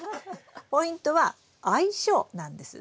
ポイントは相性なんです。